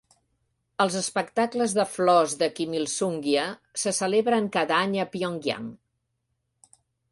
Els espectacles de flors de Kimilsungia se celebren cada any a Pyongyang.